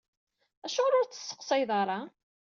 Acuɣer ur t-tesseqsayeḍ ara?